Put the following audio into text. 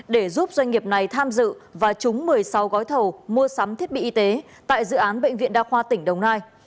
để giúp doanh nghiệp này tham dự và trúng một mươi sáu gói thầu mua sắm thiết bị y tế tại dự án bệnh viện đa khoa tỉnh đồng nai